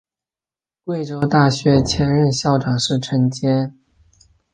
贵州大学前任校长是陈坚。